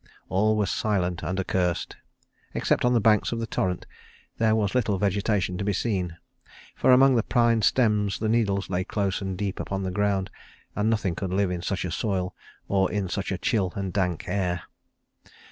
All was silent and accursed. Except on the banks of the torrent there was little vegetation to be seen, for among the pine stems the needles lay close and deep upon the ground, and nothing could live in such a soil or in such a chill and dank air.